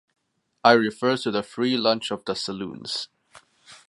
I refer to the Free Lunch of the saloons.